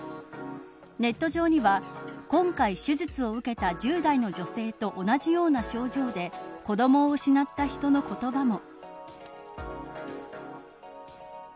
ネット上には今回、手術を受けた１０代の女性と同じような症状で子どもを失った人の言葉も。